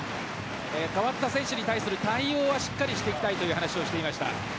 代わった選手に対する対応はしっかりしていきたいという話をしていました。